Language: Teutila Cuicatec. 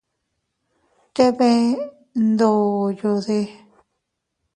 ¿Te bee ndoyode?